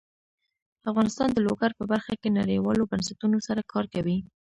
افغانستان د لوگر په برخه کې نړیوالو بنسټونو سره کار کوي.